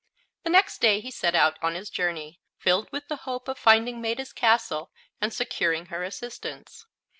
The next day he set out on his journey, filled with the hope of finding Maetta's castle and securing her assistance.